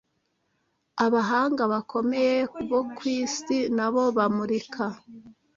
abahanga bakomeye bo ku isi nabo bamurika